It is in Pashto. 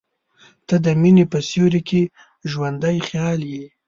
• ته د مینې په سیوري کې ژوندی خیال یې.